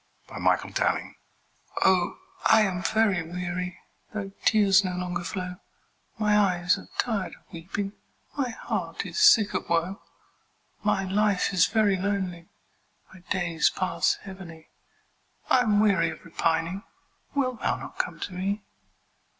Anne Bronte Appeal OH, I am very weary, Though tears no longer flow; My eyes are tired of weeping, My heart is sick of woe; My life is very lonely My days pass heavily, I'm weary of repining; Wilt thou not come to me?